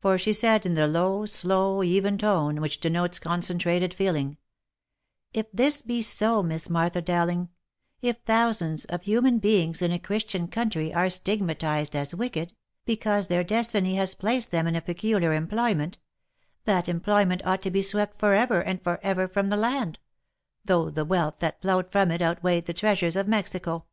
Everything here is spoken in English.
For she said in the low, slow, even tone, which denotes con centrated feeling —" If this be so, Miss Martha Dowling, if thousands of human beings in a Christian country are stigmatized as wicked, because their destiny has placed them in a peculiar employment, that employment ought to be swept for ever and for ever from the land, though the wealth that flowed from it outweighed the treasures of Mexico."